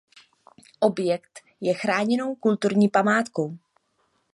Objekt je chráněnou kulturní památkou.